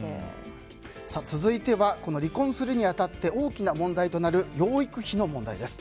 続いては、離婚するに当たって大きな問題となる養育費の問題です。